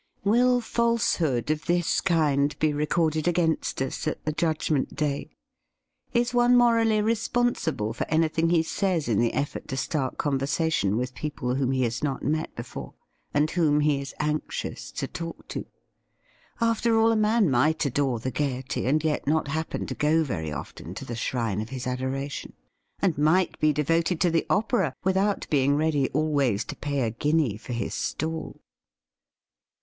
Will falsehood of this kind be recorded against us at the Judgment Day ? Is one morally responsible for anything JIM'S NEW ACQUAINTANCES 21 he says in the effort to start conversation with people whom he has not met before, and whom he is anxious to talk to ? After all, a man might adore the Gaiety, and yet not happen to go very often to the shrine of his adoration, and might be devoted to the opera without being ready always to pay a guinea for his stall.